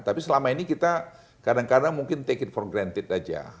tapi selama ini kita kadang kadang mungkin take it for granted aja